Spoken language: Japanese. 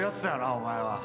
お前は。